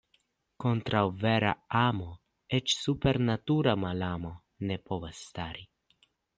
Kontraŭ vera amo eĉ supernatura malamo ne povas stari.